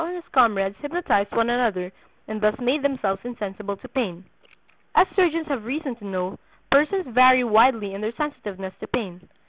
and his comrades hypnotized one another, and thus made themselves insensible to pain. "As surgeons have reason to know, persons vary widely in their sensitiveness to pain.